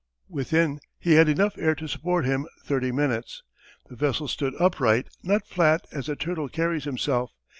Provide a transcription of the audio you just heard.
Within he had enough air to support him thirty minutes. The vessel stood upright, not flat as a turtle carries himself.